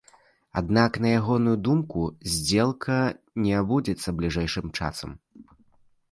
Аднак, на ягоную думку, здзелка не адбудзецца бліжэйшым часам.